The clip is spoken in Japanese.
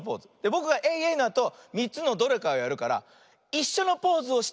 ぼくがエイエイのあと３つのどれかをやるからいっしょのポーズをしたらかち。